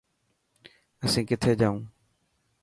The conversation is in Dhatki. اسين ڪٿي جائون.